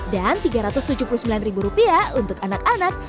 dan tiga ratus tujuh puluh sembilan rupiah untuk anak anak